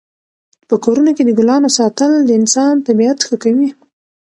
په کورونو کې د ګلانو ساتل د انسان طبعیت ښه کوي.